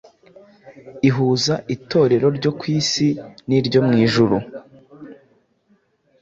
ihuza Itorero ryo ku isi n’iryo mu ijuru.